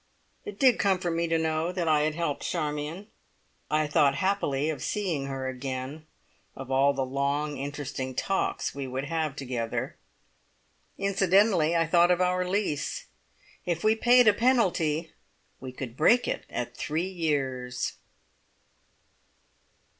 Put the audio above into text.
It did comfort me to know that I had helped Charmion. I thought happily of seeing her again, of all the long interesting talks we would have together. Incidentally I thought of our lease. If we paid a penalty, we could break it at three years.